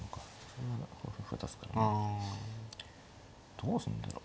どうすんだろう。